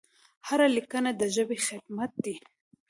هره لیکنه د ژبې خدمت دی.